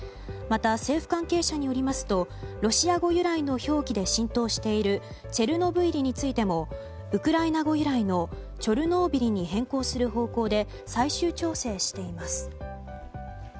また、政府関係者によりますとロシア語由来の表記で浸透しているチェルノブイリについてもウクライナ語由来のチョルノービリに変更する方向で最終調整しています。